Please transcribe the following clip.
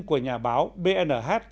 của nhà báo bnh